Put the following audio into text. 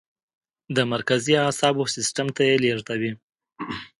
د مرکزي اعصابو سیستم ته یې لیږدوي.